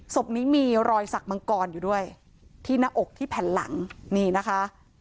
ศพนี้มีรอยสักมังกรอยู่ด้วยที่หน้าอกที่แผ่นหลังนี่นะคะ